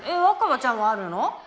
若葉ちゃんはあるの？